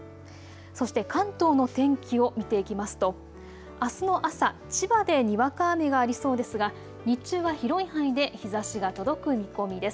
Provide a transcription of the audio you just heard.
そして関東の天気を見ていきますとあすの朝、千葉でにわか雨がありそうですが日中は広い範囲で日ざしが届く見込みです。